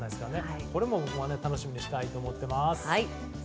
これも楽しみにしたいと思います。